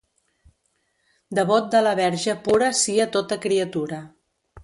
Devot de la Verge pura sia tota criatura.